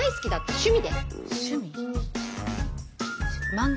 趣味？